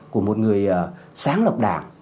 của một người sáng lập đảng